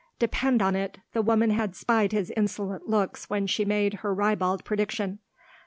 Depend on it the woman had spied his insolent looks when she made her ribald prediction."